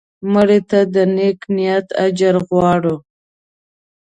مړه ته د نیک نیت اجر غواړو